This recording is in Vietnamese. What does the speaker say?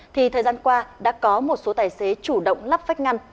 thì thời gian qua đã có một số tài xế chủ động lắp vách ngăn